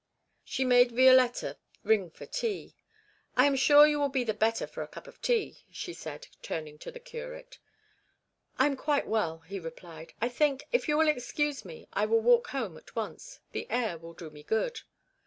She bade Violetta ring for tea. 'I am sure you will be the better for a cup of tea,' she said, turning to the curate. 'I am quite well,' he replied. 'I think, if you will excuse me, I will walk home at once; the air will do me good.'